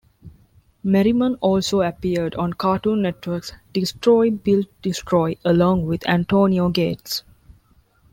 Merriman also appeared on Cartoon Network's Destroy Build Destroy along with Antonio Gates.